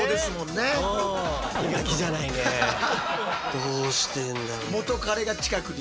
どうしてんだろう。